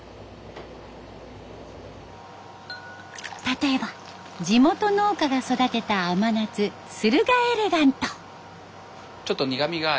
例えば地元農家が育てた甘夏スルガエレガント。